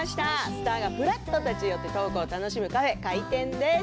スターがふらっと立ち寄ってトークを楽しむカフェ、開店です。